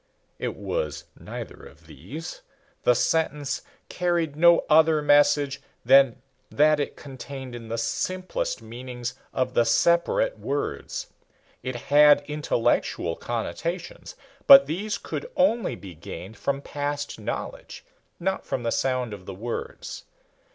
It was neither of these. The sentence carried no other message than that contained in the simplest meanings of the separate words. It had intellectual connotations, but these could only be gained from past knowledge, not from the sound of the words.